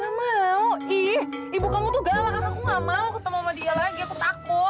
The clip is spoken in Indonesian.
gak mau ihh ibu kamu tuh galak aku gak mau ketemu sama dia lagi aku takut